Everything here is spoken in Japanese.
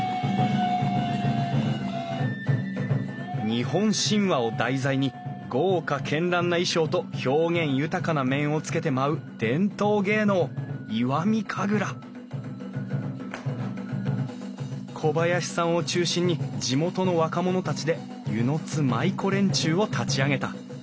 日本神話を題材に豪華絢爛な衣装と表現豊かな面をつけて舞う伝統芸能石見神楽小林さんを中心に地元の若者たちで温泉津舞子連中を立ち上げた。